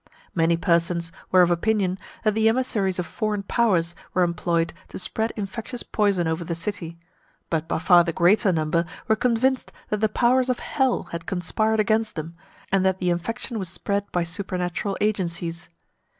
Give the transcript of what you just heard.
Many persons were of opinion that the emissaries of foreign powers were employed to spread infectious poison over the city; but by far the greater number were convinced that the powers of hell had conspired against them, and that the infection was spread by supernatural agencies.